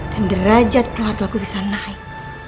dan derajat keluarga aku bisa naik